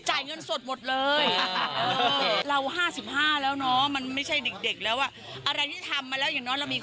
จ่ายเงินสดหมดเลยเราห้าสิบห้าเราน้อมันไม่ใช่เด็ก